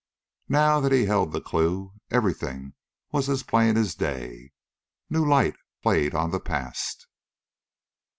Now that he held the clue, everything was as plain as day. New light played on the past.